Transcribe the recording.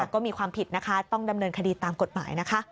ก็มีความผิดนะคะต้องดำเนินคดีตามกฎหมายนะคะ